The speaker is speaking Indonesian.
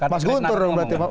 mas guntur dong berarti